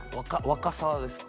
若さですか？